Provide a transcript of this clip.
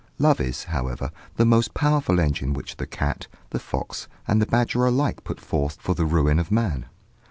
Love is, however, the most powerful engine which the cat, the fox, and the badger alike put forth for the ruin of man.